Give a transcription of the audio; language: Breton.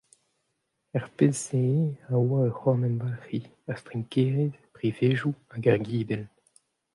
Er pezh-se e a oa ur c’horn-emwalc’hiñ, ur strinkerez, privezioù hag ur gibell.